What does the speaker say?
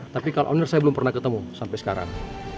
tapi kalau owner saya belum pernah ketemu sampai sekarang